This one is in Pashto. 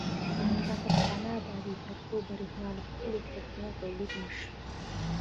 افغانستان تر هغو نه ابادیږي، ترڅو بریښنا له خپلو سرچینو تولید نشي.